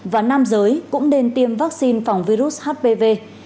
và nam giới cũng nên tiêm vaccine phòng virus hpv